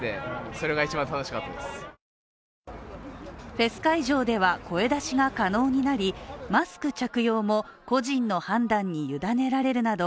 フェス会場では声出しが可能になりマスク着用も個人の判断に委ねられるなど